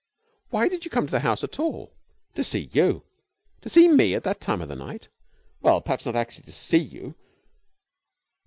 "But why did you come to the house at all?" "To see you." "To see me! At that time of night?" "Well, perhaps not actually to see you."